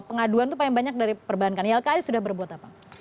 pengaduan itu paling banyak dari perbankan ylki sudah berbuat apa